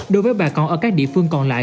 đối với bà con ở các địa phương còn lại